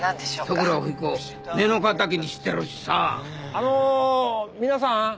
あの皆さん？